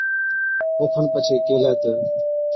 او کن پڇي ڪيهلَي تہ،